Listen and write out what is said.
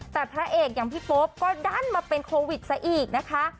แต่พระเอกอย่างพี่โป๊ปก็ดันมาเป็นโควิดซะอีกนะคะ